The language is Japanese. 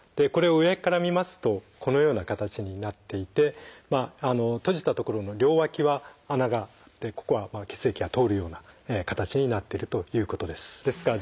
これを上から見ますとこのような形になっていて閉じた所の両脇は穴があってここは血液が通るような形になってるということです。